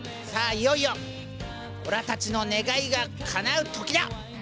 いよいよオラたちの願いがかなう時だ！